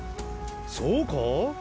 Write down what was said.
そうかぁ？